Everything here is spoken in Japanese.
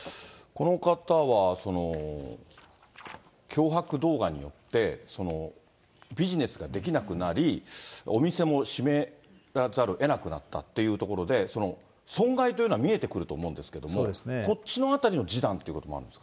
この方は、脅迫動画によって、ビジネスができなくなり、お店も閉めざるをえなくということで、損害というのは見えてくると思うんですけど、こっちのあたりの示談ということもあるんです